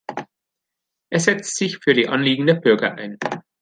Er setzt sich für die Anliegen der Bürger ein.